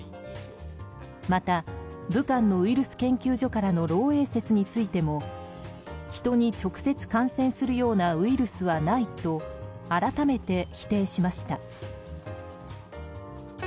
また武漢のウイルス研究所からの漏洩説についてもヒトに直接感染するようなウイルスはないと改めて否定しました。